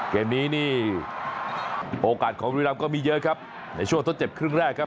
เกมนี้นี่โอกาสของบุรีรำก็มีเยอะครับในช่วงทดเจ็บครึ่งแรกครับ